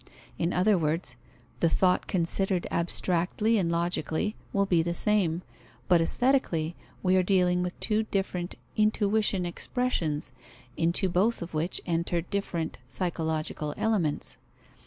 In other words, the thought considered abstractly and logically will be the same; but aesthetically we are dealing with two different intuition expressions, into both of which enter different psychological elements.